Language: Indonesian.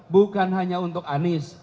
bukan hanya untuk anies